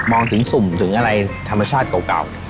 ถึงสุ่มถึงอะไรธรรมชาติเก่า